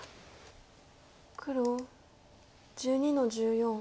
黒１２の十四。